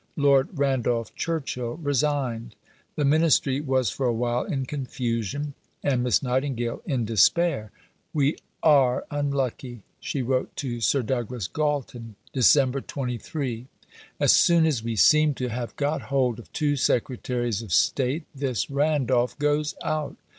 Lord Randolph Churchill resigned. The Ministry was for a while in confusion, and Miss Nightingale in despair. "We are unlucky," she wrote to Sir Douglas Galton (Dec. 23). "As soon as we seem to have got hold of two Secretaries of State, this Randolph goes out!